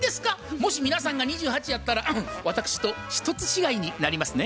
もし皆さんが２８やったら私と１つ違いになりますね。